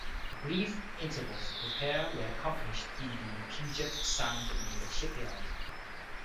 Brief intervals of repair were accomplished in the Puget Sound Naval Shipyard.